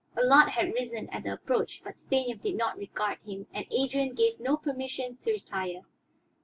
Allard had risen at the approach, but Stanief did not regard him and Adrian gave no permission to retire.